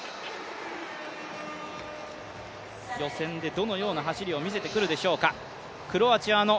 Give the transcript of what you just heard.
予選でどのような走りを見せてくるのでしょうか。